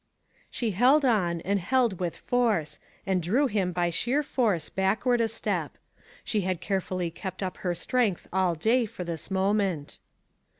She held on, and held with force, and drew him by sheer force backward a step. She had carefully kept up her strength all day for this moment.